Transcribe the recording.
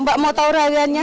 mbak mau tahu rayuannya